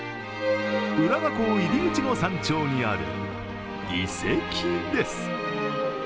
浦賀港入り口の山頂にある遺跡です。